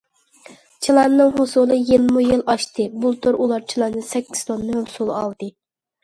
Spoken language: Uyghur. چىلاننىڭ ھوسۇلى يىلمۇ يىل ئاشتى، بۇلتۇر ئۇلار چىلاندىن سەككىز توننا ھوسۇل ئالدى.